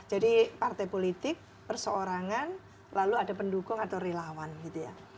jadi partai politik perseorangan lalu ada pendukung atau relawan gitu ya